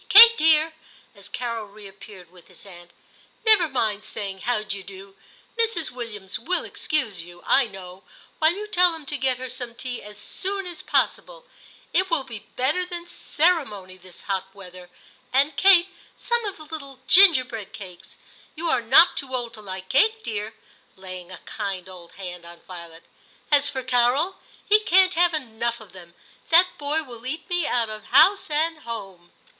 Kate, dear/ as Carol reappeared with his aunt, 'never mind saying how d'ye do. Mrs. Williams will excuse you, I know, while you tell them to get her some tea as soon as possible ; it will be better than ceremony this hot weather; and, Kate, some of the little ginger bread cakes. You are not too old to like cake, dear,' laying a kind old hand on Violet. * As for Carol, he can't have enough of them ; that boy will eat me out of house and home.